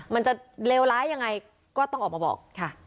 มันจะเลวร้ายยังไงก็ต้องออกมาบอกค่ะ